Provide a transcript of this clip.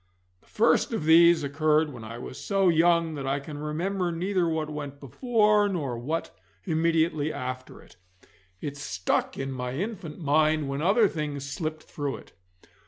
The first of these occurred when I was so young that I can remember neither what went before nor what immediately after it. It stuck in my infant mind when other things slipped through it.